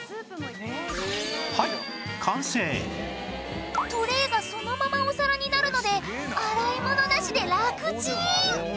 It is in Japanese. はいトレーがそのままお皿になるので洗い物なしでラクチン！